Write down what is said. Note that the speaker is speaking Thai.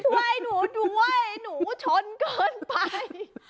ไม่หนูด้วยหนูชนเกินไป